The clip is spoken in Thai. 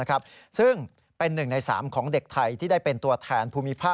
กรณีนี้ทางด้านของประธานกรกฎาได้ออกมาพูดแล้ว